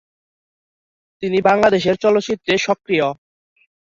তিনি বাংলাদেশের চলচ্চিত্রে সক্রিয়।